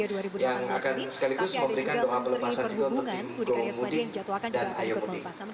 yang akan sekaligus memberikan doa pelepasan juga untuk timur mudi dan ayu mudi